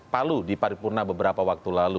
palu di paripurna beberapa waktu lalu